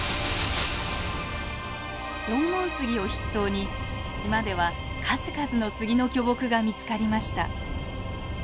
縄文杉を筆頭に島では数々の杉の巨木が見つかりました。